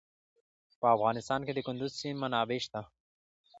په افغانستان کې د کندز سیند منابع شته.